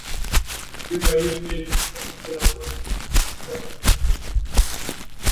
rifa hiyo pia imeweka bayana kuwa zoezi la kuunda baraza lingine la mawaziri